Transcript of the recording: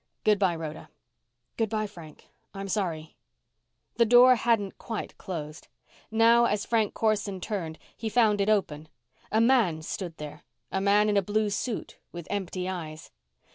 "Good bye, Rhoda." "Good bye, Frank. I'm sorry." The door hadn't quite closed. Now, as Frank Corson turned, he found it open. A man stood there a man in a blue suit with empty eyes.